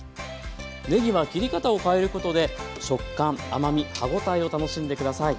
ねぎは切り方を変えることで食感甘み歯応えを楽しんで下さい。